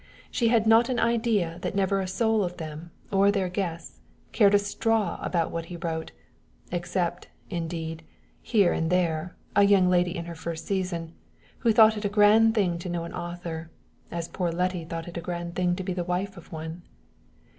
She had not an idea that never a soul of them or of their guests cared a straw about what he wrote except, indeed, here and there, a young lady in her first season, who thought it a grand thing to know an author, as poor Letty thought it a grand thing to be the wife of one.